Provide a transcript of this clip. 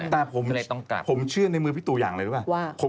แต่ผมเชื่อในมือพี่ตูอย่างเลยรู้ป่ะ